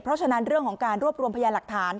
เพราะฉะนั้นเรื่องของการรวบรวมพยานหลักฐาน